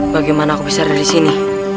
bagaimana aku bisa ada di sini